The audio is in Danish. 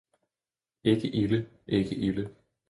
"Ikke ilde — ikke ilde..."